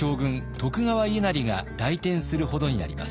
徳川家斉が来店するほどになります。